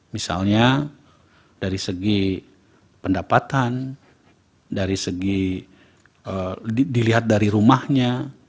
misalnya dari segi pendapatan dari segi dilihat dari rumahnya